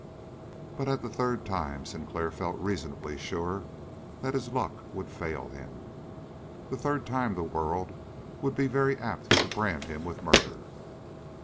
But, at the third time, Sinclair felt reasonably sure that his luck would fail him. The third time the world would be very apt to brand him with murder.